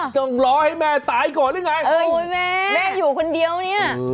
ต้องรอให้แม่ตายก่อนหรือไงแม่แม่อยู่คนเดียวเนี่ย